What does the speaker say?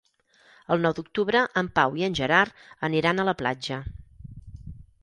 El nou d'octubre en Pau i en Gerard aniran a la platja.